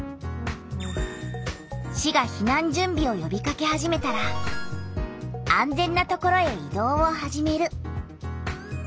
市が避難準備をよびかけ始めたら「安全な所へ移動を始める」。